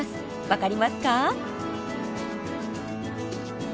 分かりますか？